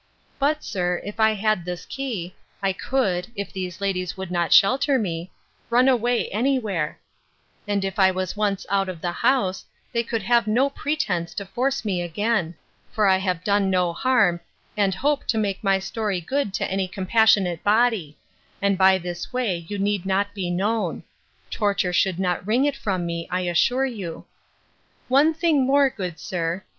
But, sir, if I had this key, I could, if these ladies would not shelter me, run away any where: and if I was once out of the house, they could have no pretence to force me again; for I have done no harm, and hope to make my story good to any compassionate body; and by this way you need not to be known. Torture should not wring it from me, I assure you. 'One thing more, good sir.